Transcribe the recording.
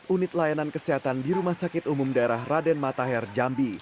unit layanan kesehatan di rumah sakit umum daerah raden matahir jambi